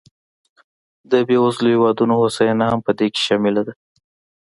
د بېوزلو هېوادونو هوساینه هم په دې کې شامله ده.